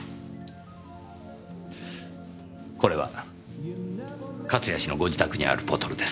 これは勝谷氏のご自宅にあるボトルです。